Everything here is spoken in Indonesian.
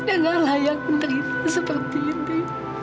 dengarlah yang menderita seperti ini